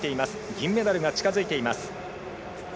銀メダルが近づいています。